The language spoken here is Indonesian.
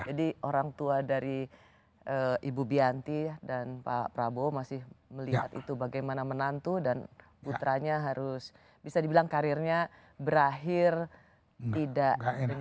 orang tua dari ibu bianti dan pak prabowo masih melihat itu bagaimana menantu dan putranya harus bisa dibilang karirnya berakhir tidak